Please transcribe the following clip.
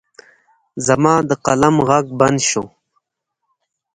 زما د قلم غږ بند شو.